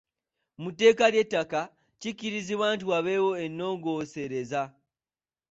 Mu tteeka ly’ettaka, kikkirizibwe nti wabeewo ennongoosereza.